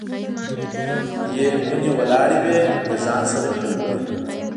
یې ونې ولاړې وې، له ځان سره مې وویل.